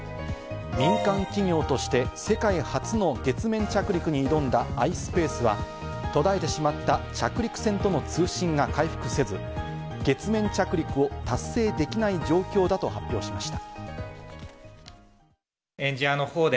民間企業として世界初の月面着陸に挑んだｉｓｐａｃｅは途絶えてしまった着陸船との通信が回復せず、月面着陸を達成できない状況だと発表しました。